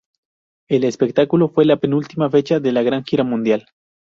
El espectáculo fue la penúltima fecha de una gira mundial.